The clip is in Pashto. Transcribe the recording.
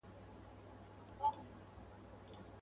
په شپه کي ګرځي محتسب د بلاګانو سره.